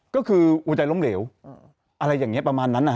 ก็คือหัวใจล้มเหลวอะไรอย่างนี้ประมาณนั้น